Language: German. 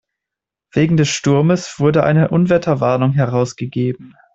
Wegen des Sturmes wurde eine Unwetterwarnung herausgegeben.